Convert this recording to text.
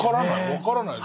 分からない。